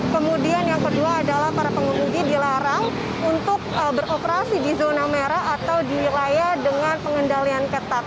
kemudian yang kedua adalah para pengemudi dilarang untuk beroperasi di zona merah atau di wilayah dengan pengendalian ketat